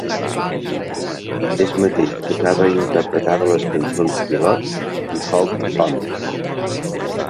Es mateix tocava i interpretava les cançons "Pilot" i "Hold On".